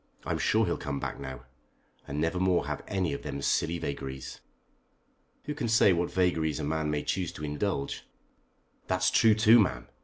I'm sure he'll come back now, and never more have any of them silly vagaries." "Who can say what vagaries a man may choose to indulge?" "That's true too, ma'am.